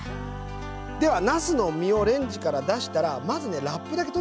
ではなすの身をレンジから出したらまずねラップだけ取っちゃいましょう。